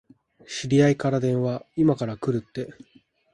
知り合いから電話、いまから来るって。